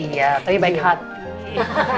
iya tapi baik hati